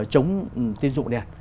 chống tín dụng đen